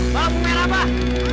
wah bukan abah